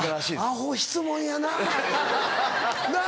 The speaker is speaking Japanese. アホ質問やななっ。